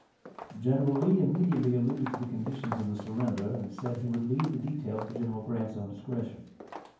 General Lee immediately alluded to the conditions of the surrender, and said he would leave the details to General Grant's own discretion.